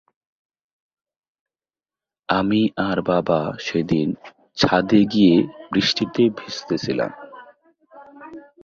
সেসময় ও তার অব্যবহিত পরবর্তী কালে তিনি অনেকগুলি কাব্য প্রকাশ করেন।